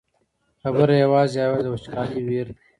خبره یوازې او یوازې د وچکالۍ ویر دی.